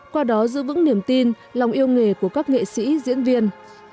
qua đó giữ vững niềm tin lòng yêu nghề của các nghệ sĩ diễn viên